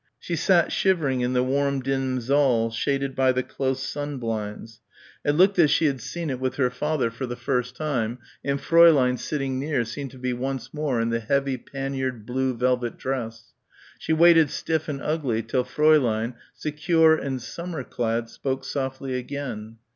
She sat shivering in the warm dim saal shaded by the close sun blinds. It looked as she had seen it with her father for the first time and Fräulein sitting near seemed to be once more in the heavy panniered blue velvet dress. She waited stiff and ugly till Fräulein, secure and summer clad, spoke softly again.